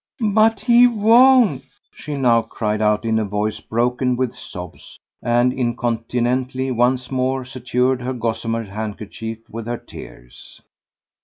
"But he won't!" she now cried out in a voice broken with sobs, and incontinently once more saturated her gossamer handkerchief with her tears.